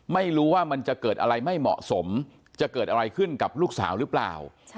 ไม่รู้ว่ามันจะเกิดอะไรไม่เหมาะสมจะเกิดอะไรขึ้นกับลูกสาวหรือเปล่า